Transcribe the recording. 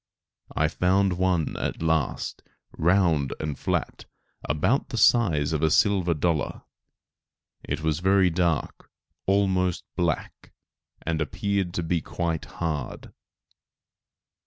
I found one at last, round and flat, about the size of a silver dollar. It was very dark, almost black, and appeared to be quite hard.